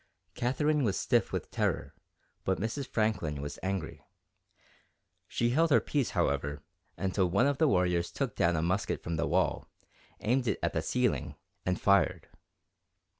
Katherine was stiff with terror, but Mrs. Franklin was angry. She held her peace, however, until one of the warriors took down a musket from the wall, aimed it at the ceiling, and fired.